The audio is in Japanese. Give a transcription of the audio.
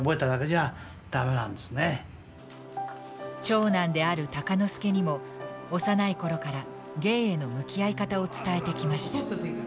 長男である鷹之資にも幼い頃から芸への向き合い方を伝えてきました。